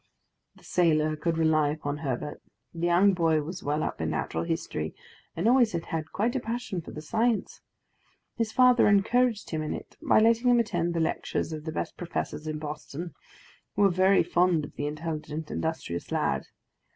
The sailor could rely upon Herbert; the young boy was well up in natural history, and always had had quite a passion for the science. His father had encouraged him in it, by letting him attend the lectures of the best professors in Boston, who were very fond of the intelligent, industrious lad.